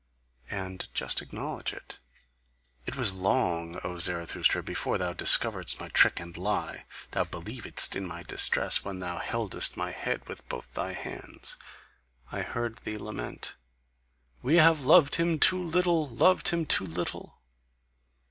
And just acknowledge it: it was long, O Zarathustra, before thou discoveredst my trick and lie! Thou BELIEVEDST in my distress when thou heldest my head with both thy hands, I heard thee lament 'we have loved him too little, loved him too little!